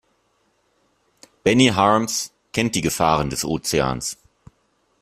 Benny Harms kennt die Gefahren des Ozeans.